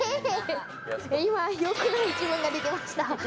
今、よくない自分が出てました。